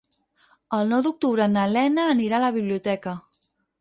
El nou d'octubre na Lena anirà a la biblioteca.